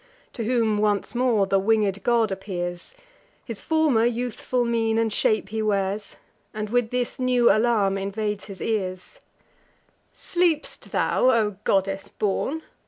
To whom once more the winged god appears; His former youthful mien and shape he wears, And with this new alarm invades his ears: "Sleep'st thou, O goddess born!